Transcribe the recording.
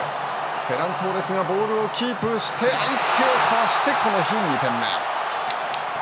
フェラン・トーレスがボールをキープして相手をかわして、この日２点目。